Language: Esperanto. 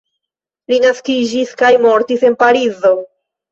Li naskiĝis kaj mortis en Parizo.